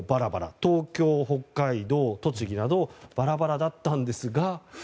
東京、北海道、栃木などバラバラだったんですが。